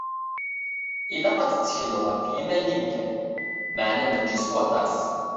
Ilaq ad tettekleḍ f yiman-im kan, meɛna mačči s waṭas.